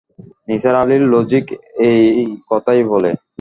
নিসার আলির লজিক এই কথাই বলে।